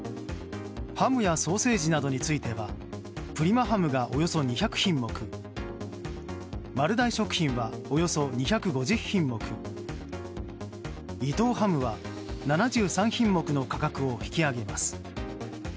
ハムやソーセージなどについてはプリマハムがおよそ２００品目丸大食品はおよそ２５０品目伊藤ハムは７３品目の価格を引き上げます。